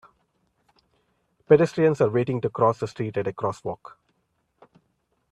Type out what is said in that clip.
Pedestrians are waiting to cross the street at a crosswalk.